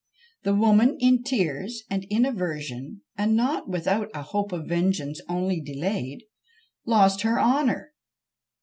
The woman, in tears and in aversion, and not without a hope of vengeance only delayed, lost her honour!